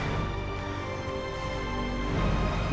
andi kenapa riz